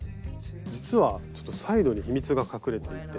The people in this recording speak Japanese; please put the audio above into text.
実はちょっとサイドに秘密が隠れていて。